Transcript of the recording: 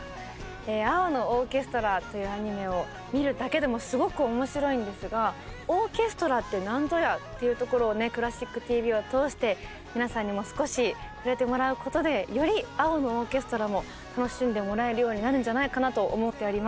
「青のオーケストラ」というアニメを見るだけでもすごく面白いんですがオーケストラって何ぞやっていうところをね「クラシックＴＶ」を通して皆さんにも少し触れてもらうことでより「青のオーケストラ」も楽しんでもらえるようになるんじゃないかなと思っております。